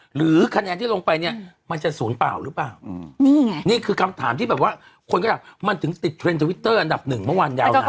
หรือคะแนนที่ลงไปเนี่ยมันจะศูนย์เปล่าหรือเปล่านี่ไงนี่คือคำถามที่แบบว่าคนก็ถามมันถึงติดเทรนด์ทวิตเตอร์อันดับหนึ่งเมื่อวานยาวนาน